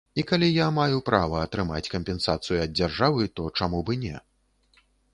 І калі я маю права атрымаць кампенсацыю ад дзяржавы, то чаму б і не.